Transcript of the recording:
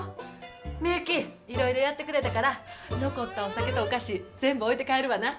ミユキいろいろやってくれたから残ったお酒やお菓子全部置いて帰るわな。